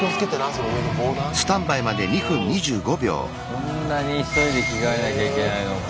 こんなに急いで着替えなきゃいけないのか。